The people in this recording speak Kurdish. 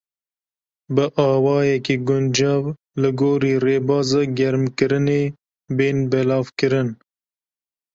Bi awayekî guncav li gorî rêbaza germkirinê, bên belavkirin.